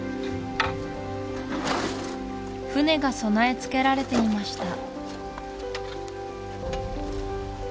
船が備え付けられていました